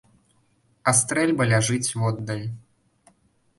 А стрэльба ляжыць воддаль.